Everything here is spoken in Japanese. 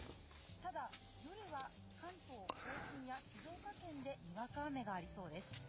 ただ、夜は、関東甲信や静岡県でにわか雨がありそうです。